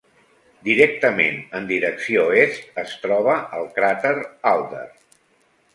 Directament en direcció est es troba el cràter Alder.